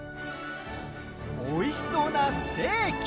おいしそうなステーキ。